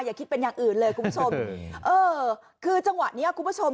อย่าคิดเป็นอย่างอื่นเลยคุณผู้ชมเออคือจังหวะเนี้ยคุณผู้ชม